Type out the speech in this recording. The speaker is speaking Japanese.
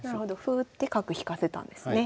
歩打って角引かせたんですね。